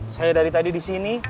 saya dari tadi disini